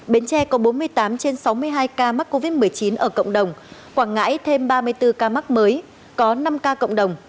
bến tre có bốn mươi tám trên sáu mươi hai ca mắc covid một mươi chín ở cộng đồng quảng ngãi thêm ba mươi bốn ca mắc mới có năm ca cộng đồng